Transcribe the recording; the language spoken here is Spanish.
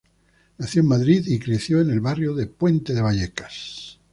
Nació en Madrid, y creció en el barrio de Puente de Vallecas.